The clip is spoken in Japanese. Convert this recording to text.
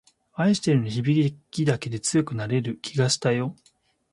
愛してるの響きだけで強くなれる気がしたよ